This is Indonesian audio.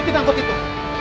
ikuti tangkut itu